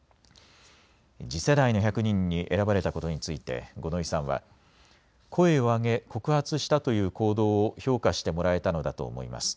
次世代の１００人に選ばれたことについて五ノ井さんは声を上げ告発したという行動を評価してもらえたのだと思います。